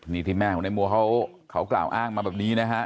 นี่ที่แม่ของนายมัวเขากล่าวอ้างมาแบบนี้นะฮะ